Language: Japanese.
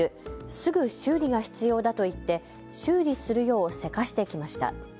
すぐ修理が必要だと言って修理するようせかしてきました。